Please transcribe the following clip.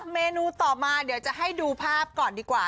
เมนูต่อมาเดี๋ยวจะให้ดูภาพก่อนดีกว่า